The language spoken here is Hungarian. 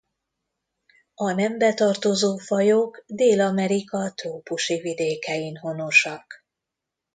A nembe tartozó fajok Dél-Amerika trópusi vidékein honosak.